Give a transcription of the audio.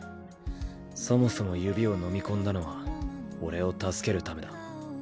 そもそも指を飲み込んだのは俺を助けるためだ。